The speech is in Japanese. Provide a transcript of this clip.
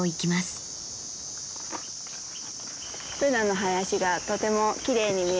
ブナの林がとてもきれいに見えます。